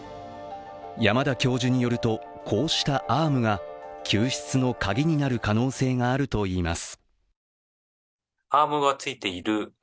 山田教授によると、こうしたアームが救出のカギになる可能性があるといいます。